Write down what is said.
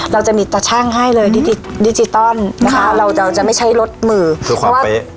เราจะมีตะช่างให้เลยที่ดิจิตอลนะคะเราจะไม่ใช้รถมือเพื่อความเป๊ะ